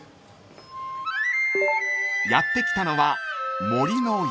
［やって来たのは］